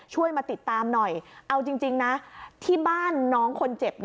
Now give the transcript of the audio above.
มาติดตามหน่อยเอาจริงนะที่บ้านน้องคนเจ็บ